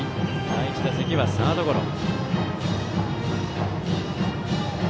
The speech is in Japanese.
第１打席はサードゴロ。